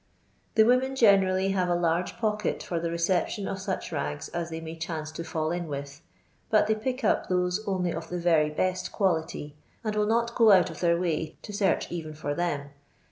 The women generally have a large poeket fur the reception of such rags as they may chanee to fiiU in with, but they pick up those only of the very best quality, and will not go out of tlMir way to search even for them.